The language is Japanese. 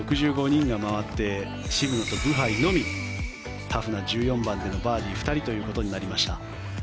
６５人が回って渋野とブハイのみタフな１４番でのバーディー２人となりました。